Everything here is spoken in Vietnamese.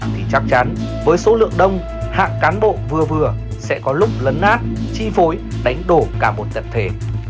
thì chắc chắn với số lượng đông hạng cán bộ vừa vừa sẽ có lúc lấn nát chi phối đánh đổ cả một tập thể